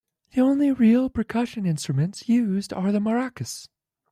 The only real percussion instruments used are the maracas.